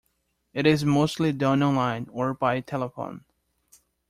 It is mostly done online or by telephone.